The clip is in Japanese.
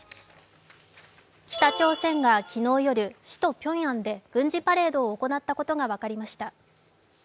北朝鮮が昨日夜首都ピョンヤンで軍事パレードを行ったことが分かりました。